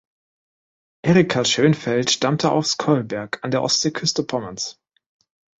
Erika Schönfeldt stammte aus Kolberg an der Ostseeküste Pommerns.